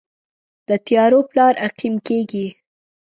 د تیارو پلار عقیم کیږي